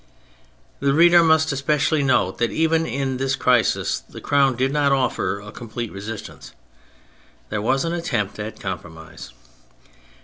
The reader must especially note that even in this crisis the Crown did not offer a 'com plete resistance. There was an attempt at compromise.